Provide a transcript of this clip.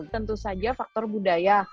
tentu saja faktor budaya